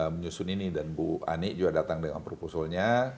menyusun ini dan bu ani juga datang dengan proposalnya